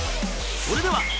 それでは